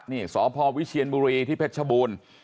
นี่สพวิเชียนบุรีที่เพชรชบูรณ์